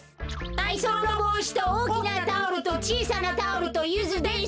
たいそうのぼうしとおおきなタオルとちいさなタオルとゆずです。